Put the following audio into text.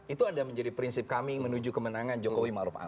itu ada menjadi prinsip kami menuju kemenangan jokowi maruf amin